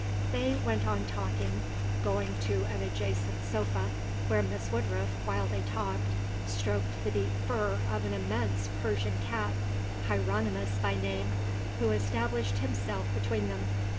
They, went on talking, going to an adjacent sofa where Miss Woodruff, while they talked, stroked the deep fur of an immense Persian cat, Hieronimus by name, who established himself between them.